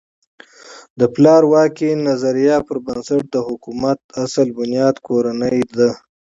د پلار واکۍ نظریه پر بنسټ د حکومت اصل بنیاد کورنۍ ده.